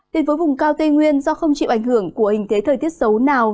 thì với vùng cao tây nguyên do không chịu ảnh hưởng của hình thế thời tiết xấu nào